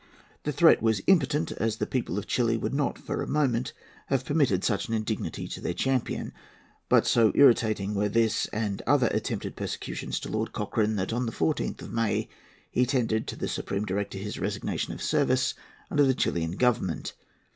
The threat was impotent, as the people of Chili would not for a moment have permitted such an indignity to their champion. But so irritating were this and other attempted persecutions to Lord Cochrane that, on the 14th of May, he tendered to the Supreme Director his resignation of service under the Chilian Government.